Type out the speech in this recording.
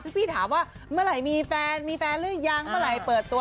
พี่ถามว่าเมื่อไหร่มีแฟนมีแฟนหรือยังเมื่อไหร่เปิดตัว